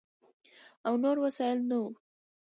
او نور وسایل نه ؤ،